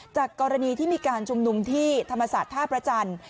จากกรณีที่มีการชุมนุมที่ธรรมศาสตร์ท่าประจันทร์